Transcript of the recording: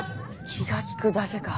気が利くだけか。